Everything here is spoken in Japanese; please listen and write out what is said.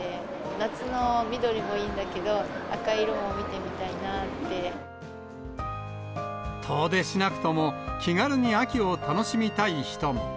夏の緑もいいんだけど、遠出しなくとも、気軽に秋を楽しみたい人も。